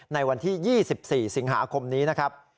ในวันที่๒๔สิงหาคมนี้นะครับ